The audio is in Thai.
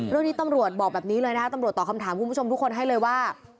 เรื่องนี้ตำรวจบอกแบบนี้เลยนะคะตำรวจตอบคำถามคุณผู้ชมทุกคนให้เลยว่า